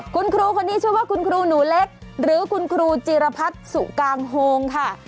คุณครูคนนี้ชื่อว่าคุณครูหนูเล็กหรือคุณครูจีรพัฒน์สุกางโฮงค่ะ